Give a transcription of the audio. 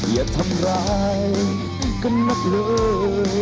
อย่าทำร้ายกันนักเลย